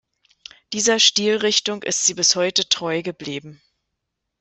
Dieser Stilrichtung ist sie bis heute treu geblieben.